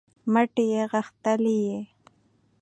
مټې یې غښتلې